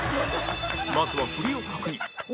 まずは振りを確認